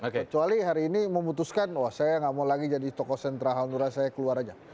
kecuali hari ini memutuskan wah saya nggak mau lagi jadi tokoh sentral hanura saya keluar aja